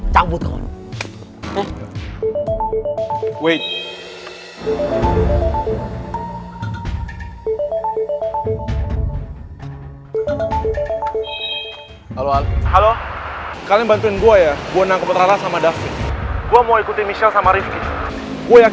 jangan lupa like share dan subscribe ya